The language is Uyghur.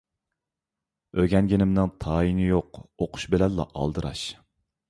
ئۆگەنگىنىمنىڭ تايىنى يوق، ئوقۇش بىلەنلا ئالدىراش.